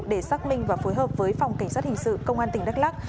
để xác minh và phối hợp với phòng cảnh sát hình sự công an tỉnh đắk lắc